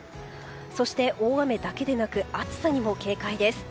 そして、大雨だけでなく暑さにも警戒です。